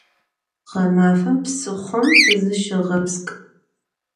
Гъэмафэм псыхъом зыщыгъэпскӏ!